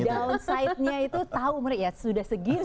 ya semua orang akhirnya downside nya itu tau ya sudah segini gitu